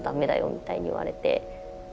みたいに言われて。